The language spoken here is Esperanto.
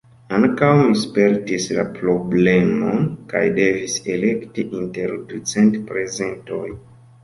Ankaŭ mi spertis la problemon, kaj devis elekti inter ducent prezentoj.